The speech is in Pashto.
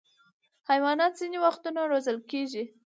حیوانات ځینې وختونه روزل کېږي.